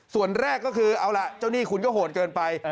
ส่วนแรกก็คือเอาล่ะเจ้าหนี้คุณก็โหดเกินไป